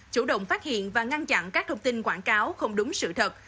chủ động phát hiện và ngăn chặn các thông tin quảng cáo không đúng sự thật